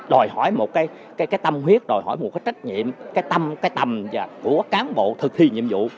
đòi hỏi một cái tâm huyết đòi hỏi một cái trách nhiệm cái tâm cái tầm của cán bộ thực thi nhiệm vụ